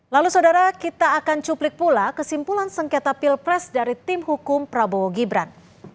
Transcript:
lalu saudara kita akan cuplik pula kesimpulan sengketa pilpres dari tim hukum prabowo gibran